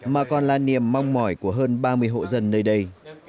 mà còn là niềm mong mỏi của hơn ba mươi hộ dân nơi đây